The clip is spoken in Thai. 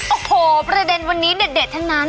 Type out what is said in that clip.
โอ้โหประเด็นวันนี้เด็ดทั้งนั้น